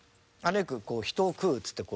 よく「人を食う」っつって「人」